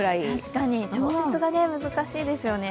確かに、服装が難しいですね。